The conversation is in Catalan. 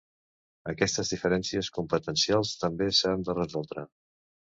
Aquestes diferències competencials també s’han de resoldre.